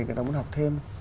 người ta muốn học thêm